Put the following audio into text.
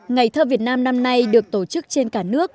ngày thơ việt nam năm nay được tổ chức trên cả nước